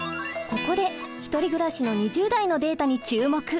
ここで１人暮らしの２０代のデータに注目。